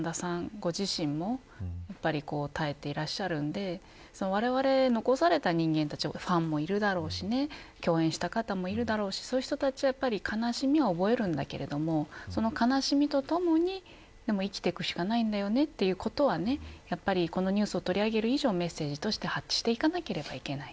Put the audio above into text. ご自身も耐えていらっしゃるのでわれわれ残された人間たちファンもいるだろうしね共演した方もいるだろうしそういう人たちはやっぱり悲しみを覚えるんだけどその悲しみとともに生きていくしかないんだよねということはやっぱりこのニュースを取り上げる以上メッセージとして発していかなければいけない。